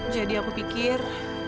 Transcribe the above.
jadi aku pikir